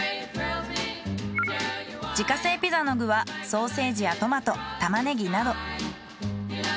自家製ピザの具はソーセージやトマトタマネギなど。